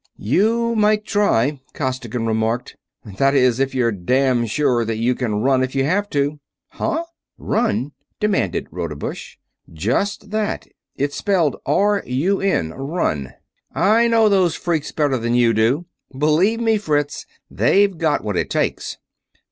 "You might try," Costigan remarked. "That is, if you're damned sure that you can run if you have to." "Huh? Run?" demanded Rodebush. "Just that. It's spelled R U N, run. I know those freaks better than you do. Believe me, Fritz, they've got what it takes."